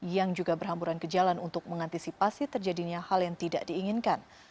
yang juga berhamburan ke jalan untuk mengantisipasi terjadinya hal yang tidak diinginkan